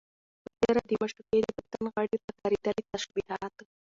په تېره، د معشوقې د بدن غړيو ته کارېدلي تشبيهات